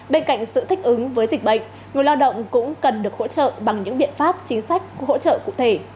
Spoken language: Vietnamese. bên cạnh sự thích ứng với dịch bệnh người lao động cũng cần được hỗ trợ bằng những biện pháp chính sách hỗ trợ cụ thể